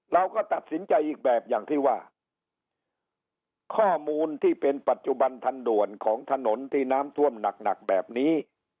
เราก็ตัดสินใจอีกแบบอย่างที่ว่าข้อมูลที่เป็นปัจจุบันทันด่วนของถนนที่น้ำท่วมหนักหนักแบบนี้